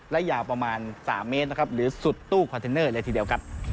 และยาวประมาณ๓เมตรหรือสุดตู้คอนเทนเนอร์เลยทีเดียว